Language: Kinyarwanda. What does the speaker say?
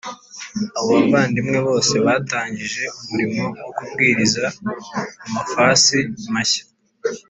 Abo bavandimwe bose batangije umurimo wo kubwiriza mu mafasi mashya